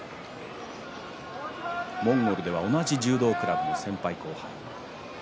モンゴルの同じ柔道クラブの先輩後輩。